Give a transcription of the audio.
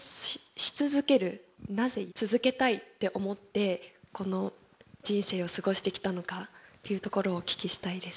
なぜ続けたいって思ってこの人生を過ごしてきたのかっていうところをお聞きしたいです。